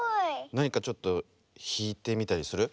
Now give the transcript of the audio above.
なにかちょっとひいてみたりする？